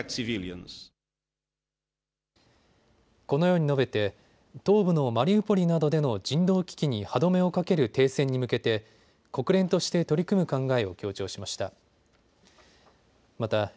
このように述べて東部のマリウポリなどでの人道危機に歯止めをかける停戦に向けて国連として取り組む考えを強調しました。